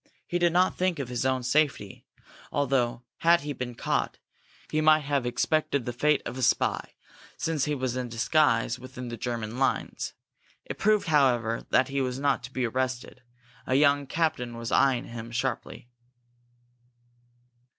He did not think of his own safety, although, had he been caught, he might have expected the fate of a spy, since he was in disguise within the German lines. It proved, however, that he was not to be arrested. A young captain was eyeing him sharply.